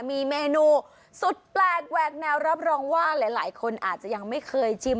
มีเมนูสุดแปลกแหวกแนวรับรองว่าหลายคนอาจจะยังไม่เคยชิม